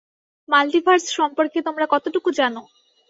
Multiverse সম্পর্কে তোমরা কতটুকু জানো?